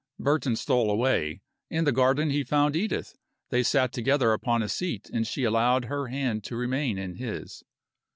Burton stole away. In the garden he found Edith. They sat together upon a seat and she allowed her hand to remain in his.